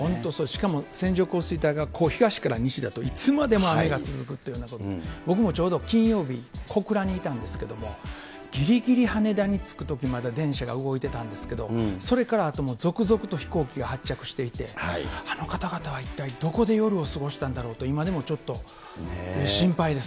しかも線状降水帯がこう、東から西だと、いつまでも雨が続くっていうことで、僕もちょうど金曜日、小倉にいたんですけれども、ぎりぎり羽田に着くときまで電車が動いてたんですけど、それからあと続々と飛行機が発着していて、あの方々は一体どこで夜を過ごしたんだろうと、今でもちょっと心配です。